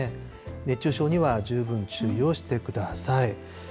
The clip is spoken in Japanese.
熱中症には十分注意をしてください。